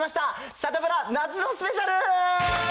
『サタプラ』夏のスペシャル！